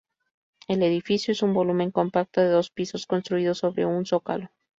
El edificio es un volumen compacto de dos pisos, construido sobre un zócalo.